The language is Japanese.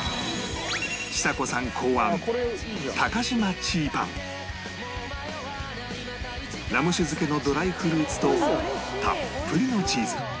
ちさ子さん考案ラム酒漬けのドライフルーツとたっぷりのチーズ